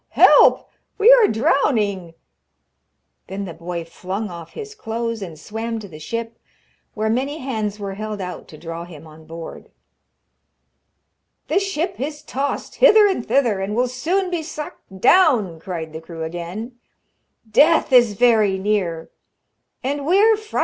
help! We are drowning!' Then the boy flung off his clothes, and swam to the ship, where many hands were held out to draw him on board. 'The ship is tossed hither and thither, and will soon be sucked down,' cried the crew again. 'Death is very near, and we are frightened!'